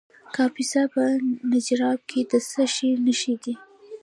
د کاپیسا په نجراب کې د څه شي نښې دي؟